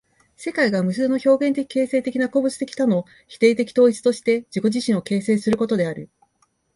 世界が無数の表現的形成的な個物的多の否定的統一として自己自身を形成することである。